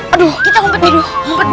aduh kita kumpet nih